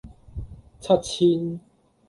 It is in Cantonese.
七千